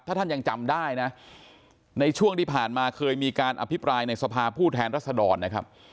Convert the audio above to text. ถ้าท่านยังจำได้นะในช่วงที่ผ่านมาเคยมีการอภิปรายในสภาผู้แทนรัศดรนะครับ